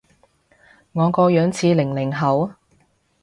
我個樣似零零後？